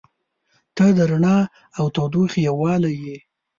• ته د رڼا او تودوخې یووالی یې.